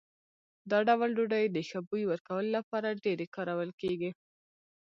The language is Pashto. دا ډول ډوډۍ د ښه بوی ورکولو لپاره ډېرې کارول کېږي.